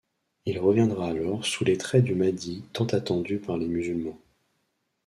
Il reviendra alors sous les traits du Mahdi tant attendu par les musulmans.